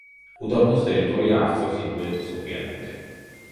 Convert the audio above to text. უდაბნოს ტერიტორია აღწევს ინდოეთის ოკეანემდე.